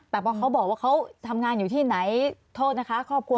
แต่พอเขาบอกว่าเขาทำงานอยู่ที่ไหนโทษนะคะครอบครัว